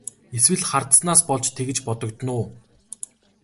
Эсвэл хардсанаас болж тэгж бодогдоно уу?